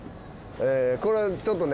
これちょっとね。